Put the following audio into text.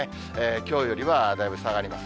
きょうよりはだいぶ下がります。